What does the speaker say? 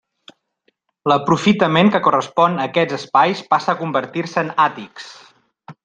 L'aprofitament que correspon a aquests espais passa a convertir-se en àtics.